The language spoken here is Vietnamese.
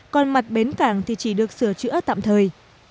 còn mặt bến cảng thì chỉ được sửa chữa tạm thời